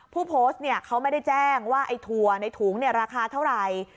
ผู้โพสต์เขาไม่ได้แจ้งว่าไอ้ถั่วในถุงราคาเท่าไหร่